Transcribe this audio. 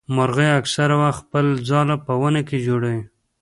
مرغۍ اکثره وخت خپل ځاله په ونه کي جوړوي.